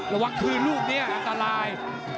ระวังคืนลูกเนี่ยอัตราหร่าย